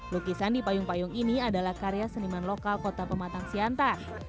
lukisan di payung payung ini adalah karya seniman lokal kota pematang siantar